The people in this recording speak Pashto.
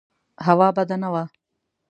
هوا بده نه وه.